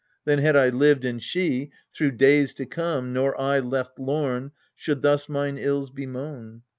Then had I lived, and she, through days to come, Nor I, left lorn, should thus mine ills bemoan.